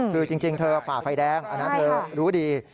คือจริงเธอฝ่าไฟแดงอันนั้นเธอรู้ดี